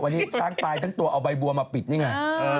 วันนี้ช้างตายทั้งตัวเอาใบบัวมาปิดนี่ไง